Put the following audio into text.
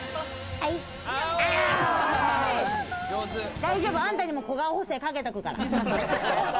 大丈夫、あんたにも小顔補正かけとくから。